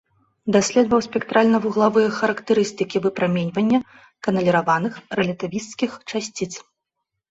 Даследаваў спектральна-вуглавыя характарыстыкі выпраменьвання каналіраваных рэлятывісцкіх часціц.